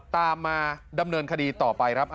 ตามมาดำเนินคดีต่อไปครับ